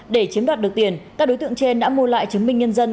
để chiếm đoạt được tiền các đối tượng trên đã mua lại chứng minh nhân dân